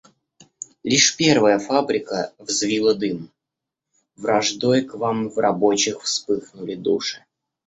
Лишь первая фабрика взвила дым — враждой к вам в рабочих вспыхнули души.